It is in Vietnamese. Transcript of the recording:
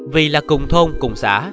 vì là cùng thôn cùng xã